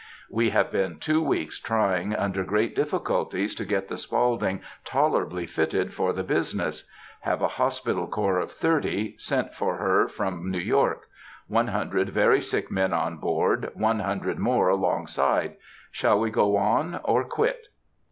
We have been two weeks trying, under great difficulties, to get the Spaulding tolerably fitted for the business; have a hospital corps of thirty, sent for her from New York; one hundred very sick men on board, one hundred more along side; shall we go on, or quit?"